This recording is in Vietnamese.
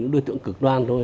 đối tượng cực đoan thôi